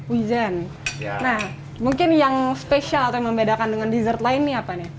wizen mungkin yang spesial atau membedakan dengan dessert lainnya apa nih